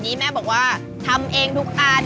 แม่บอกว่าทำเองทุกอัน